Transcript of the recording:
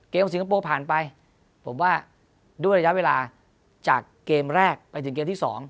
สิงคโปร์ผ่านไปผมว่าด้วยระยะเวลาจากเกมแรกไปถึงเกมที่๒